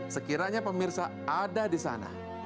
sekiranya pemirsa ada di sana